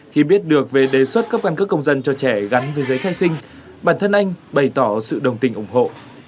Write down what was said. khi biết được về đề xuất cấp căn cước công dân cho trẻ gắn với giấy khai sinh bản thân anh bày tỏ sự đồng tình ủng hộ